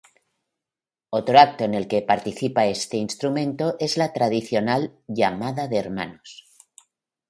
Otro acto en el que participa este instrumento es la tradicional "llamada de hermanos".